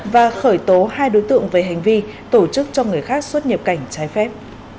và khởi tố hai đối tượng về hành vi tổ chức cho người khác xuất nhập cảnh trái phép